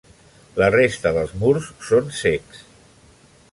La resta dels murs són cecs.